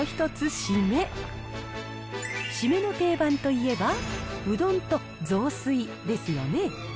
締めの定番といえば、うどんと雑炊ですよね。